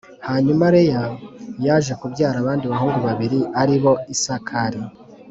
Hanyuma Leya yaje kubyara abandi bahungu babiri ari bo Isakari